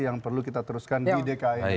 yang perlu kita teruskan di dki